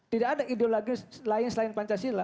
tidak ada ideologis lain selain pancasila